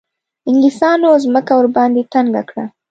انګلیسیانو مځکه ورباندې تنګه کړه.